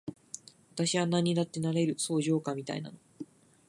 私はなんにだってなれる、そう、ジョーカーみたいなの。